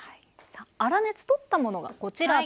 さあ粗熱取ったものがこちらです。